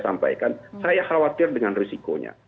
sampaikan saya khawatir dengan risikonya